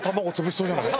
そうじゃない？